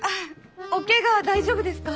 おケガ大丈夫ですか？